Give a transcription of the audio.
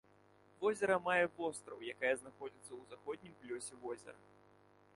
Возера мае востраў, якая знаходзіцца ў заходнім плёсе возера.